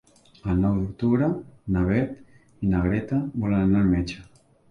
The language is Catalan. El nou d'octubre na Beth i na Greta volen anar al metge.